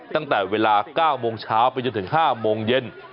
ตั้งแต่เวลา๙โมงเช้าไปจนถึง๕โมงเย็น